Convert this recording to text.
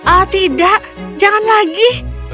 oh tidak jangan lagi